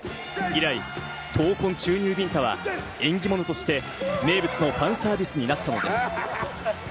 以来、闘魂注入ビンタは縁起物として名物のファンサービスになったのです。